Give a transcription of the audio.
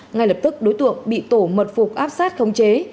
ngay lập tức đối tượng bị tổ mật phục áp sát khống chế